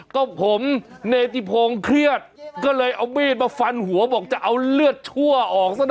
ก็ผมเนติพงศ์เครียดก็เลยเอามีดมาฟันหัวบอกจะเอาเลือดชั่วออกซะหน่อย